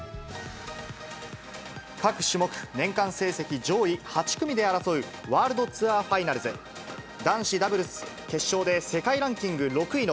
各種目、年間成績上位８組で争うワールドツアーファイナルズ、男子ダブルス決勝で、世界ランキング６位の